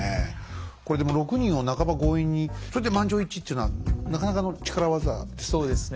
これでも６人を半ば強引にそれで満場一致っていうのはなかなかの力業ですね。